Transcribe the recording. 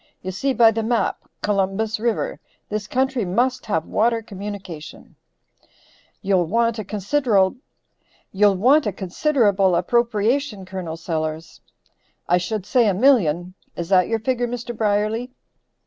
You see by the map. Columbus River. This country must have water communication!" "You'll want a considerable appropriation, Col. Sellers. "I should say a million; is that your figure Mr. Brierly."